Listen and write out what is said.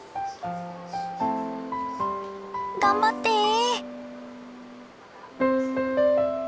頑張って。